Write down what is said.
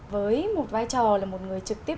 với một vai trò là một người trực tiếp